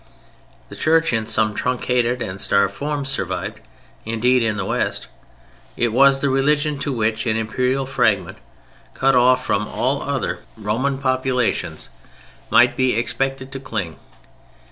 The Church in some truncated and starved form, survived indeed in the West; it was the religion to which an Imperial fragment cut off from all other Roman populations might be expected to cling.